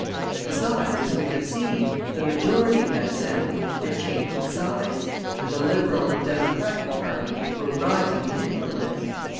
Besides, as we have seen, the majority in that Assembly had changed sides, and the Liberal and Democratic party were rising in influence.